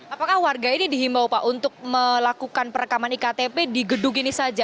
apakah warga ini dihimbau pak untuk melakukan perekaman iktp di gedung ini saja